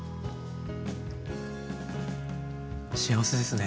幸せですね。